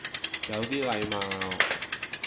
有啲禮貌